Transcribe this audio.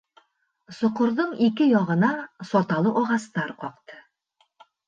Соҡорҙоң ике яғына саталы ағастар ҡаҡты.